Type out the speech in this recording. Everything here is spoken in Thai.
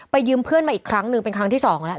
ยืมเพื่อนมาอีกครั้งหนึ่งเป็นครั้งที่สองแล้ว